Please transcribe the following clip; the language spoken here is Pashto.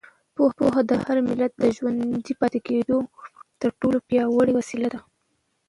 پوهه د هر ملت د ژوندي پاتې کېدو تر ټولو پیاوړې وسیله ده.